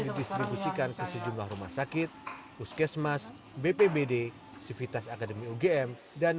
didistribusikan ke sejumlah rumah sakit puskesmas bpbd sivitas akademi ugm dan